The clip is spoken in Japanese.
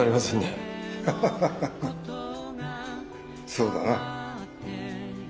そうだな。